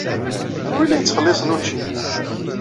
Anwa ay la yettxelliṣen učči?